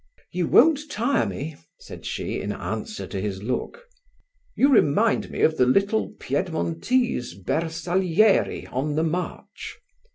"You won't tire me," said she, in answer to his look. "You remind me of the little Piedmontese Bersaglieri on the march."